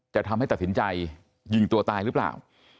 จะทำให้ตัดสินใจยิงตัวตายหรือเปล่า